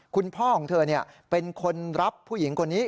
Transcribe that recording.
คุณพ่อของเธอเป็นคนรับผู้หญิงคนนี้